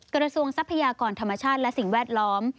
ทรัพยากรธรรมชาติและสิ่งแวดล้อม